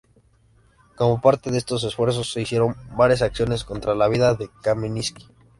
Como parte de estos esfuerzos, se hicieron varias acciones contra la vida de Kaminski.